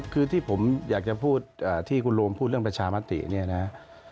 คือที่ผมอยากจะพูดที่คุณโรมพูดเรื่องประชามติเนี่ยนะ